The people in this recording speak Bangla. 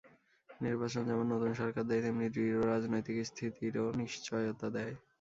নির্বাচন যেমন নতুন সরকার দেয়, তেমনি দৃঢ় রাজনৈতিক স্থিতিরও নিশ্চয়তা দেয়।